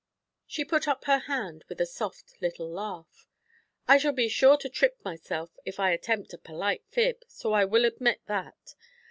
She put up her hand, with a soft little laugh. 'I shall be sure to trip myself if I attempt a polite fib, so I will admit that.